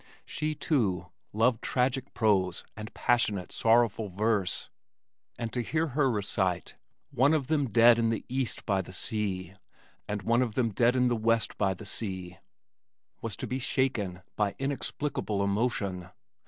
She too, loved tragic prose and passionate, sorrowful verse and to hear her recite, One of them dead in the East by the sea And one of them dead in the West by the sea, was to be shaken by inexplicable emotion.